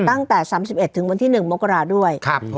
ตั้งแต่๓๑ถึงวันที่๑มกราด้วย